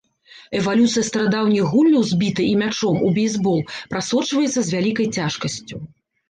Эвалюцыя старадаўніх гульняў з бітай і мячом у бейсбол прасочваецца з вялікай цяжкасцю.